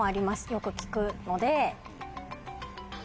よく聞くので。